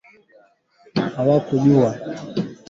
Kiwango cha kusababisha vifo kwa ugonjwa wa ndigana baridi